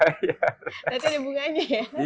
nanti ada bunganya ya